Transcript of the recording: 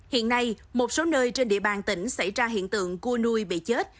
hiện nay một số nơi trên địa bàn tỉnh xảy ra hiện tượng cua nuôi bị chết